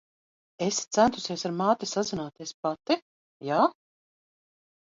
Esi centusies ar māti sazināties pati, jā?